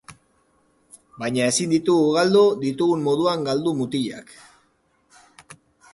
Baina ezin ditugu galdu ditugun moduan galdu mutilak!